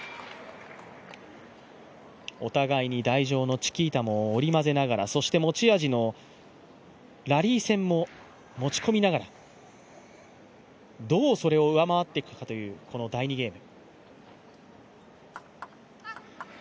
お互いに台上のチキータも織り交ぜながら、そして持ち味のラリー戦も持ち込みながらどうそれを上回っていくかというこの第２ゲーム。